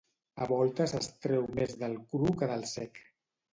A voltes es treu més del cru que del sec.